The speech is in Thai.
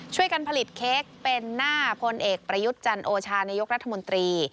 ช่วยกันผลิตเค้กเป็นหน้าพลเอกประยุทธ์จันโอชานายกรัฐมนตรี